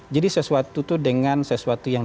jadi sesuatu itu dengan sesuatu yang